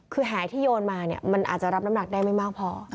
คือหายที่โยนมาเนี่ยมันอาจจะรับน้ำหนักได้ไม่มากพอ